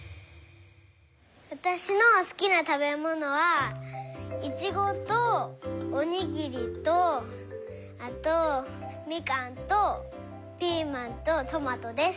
わたしのすきなたべものはイチゴとおにぎりとあとみかんとピーマンとトマトです。